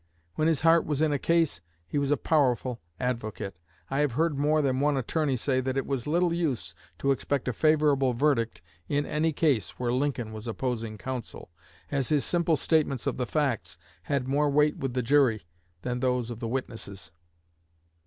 When his heart was in a case he was a powerful advocate. I have heard more than one attorney say that it was little use to expect a favorable verdict in any case where Lincoln was opposing counsel, as his simple statements of the facts had more weight with the jury than those of the witnesses.